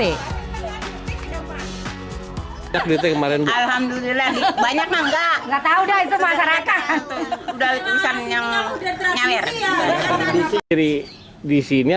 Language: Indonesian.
emang siri disini